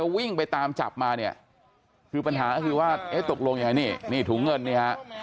ก็วิ่งไปตามจับมาเนี่ยคือปัญหาคือว่าตกลงอย่างเงี้ยถูงเงินนี่ฮะ